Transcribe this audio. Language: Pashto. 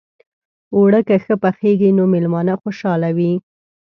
اوړه که ښه پخېږي، نو میلمانه خوشحاله وي